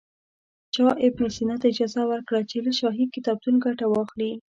چا ابن سینا ته اجازه ورکړه چې له شاهي کتابتون ګټه واخلي.